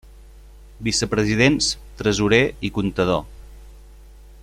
Vicepresidents, tresorer i comptador.